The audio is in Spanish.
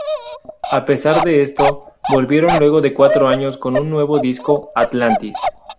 A pesar de esto, volvieron luego de cuatro años con un nuevo disco, "Atlantis".